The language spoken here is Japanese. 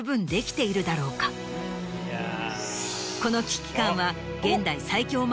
この危機感は。